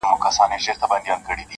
چي د ده عاید څو چنده دا علت دی,